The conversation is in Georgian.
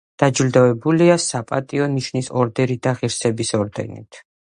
დაჯილდოებულია „საპატიო ნიშნის“ ორდენითა და ღირსების ორდენით.